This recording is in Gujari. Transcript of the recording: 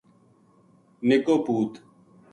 نِکو پوت